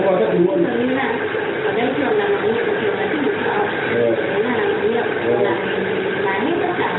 ở đây là một cái là cái quan hệ là bốn triệu bốn triệu có bốn bốn triệu nói chung là bốn triệu bốn triệu